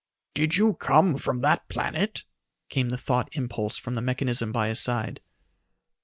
"Did you come from that planet?" came the thought impulse from the mechanism by his side.